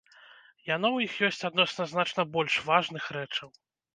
Яно ў іх ёсць адносна значна больш важных рэчаў.